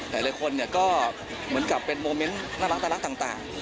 หลายคนก็เหมือนกับเป็นโมเมนต์น่ารักต่าง